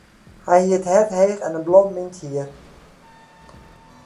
Hja hie it hart heech en blommen yn it hier.